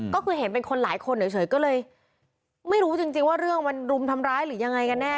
ก็คือเห็นเป็นคนหลายคนเฉยก็เลยไม่รู้จริงว่าเรื่องมันรุมทำร้ายหรือยังไงกันแน่